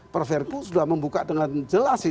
perpu sudah membuka dengan jelas